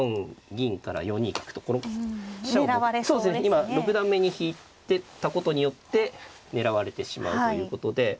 今六段目に引いたことによって狙われてしまうということで。